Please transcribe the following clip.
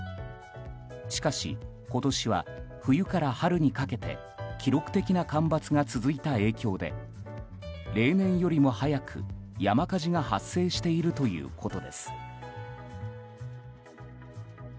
しかし、今年は冬から春にかけて記録的な干ばつが続いた影響で例年よりも早く山火事が発生しているということです。